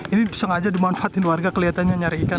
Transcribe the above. ini disengaja dimanfaatkan warga kelihatannya nyari ikan